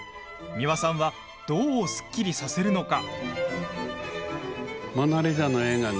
美輪さんはどうすっきりさせるのか？